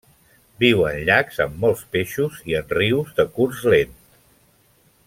Viu en llacs amb molts peixos i en rius de curs lent.